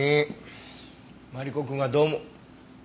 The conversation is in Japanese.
マリコくんはどう思う。